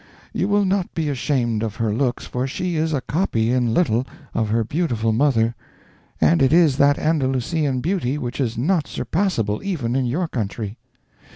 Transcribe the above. You will not be ashamed of her looks, for she is a copy in little of her beautiful mother—and it is that Andalusian beauty which is not surpassable, even in your country.